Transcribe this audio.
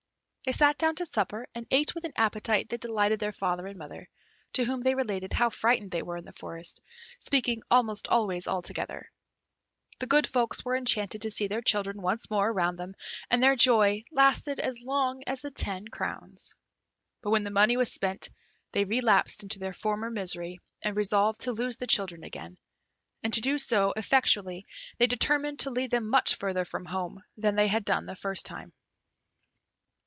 They sat down to supper, and ate with an appetite that delighted their father and mother, to whom they related how frightened they were in the forest, speaking almost always all together. The good folks were enchanted to see their children once more around them, and their joy lasted as long as the ten crowns; but when the money was spent they relapsed into their former misery, and resolved to lose the children again, and to do so effectually they determined to lead them much further from home than they had done the first time.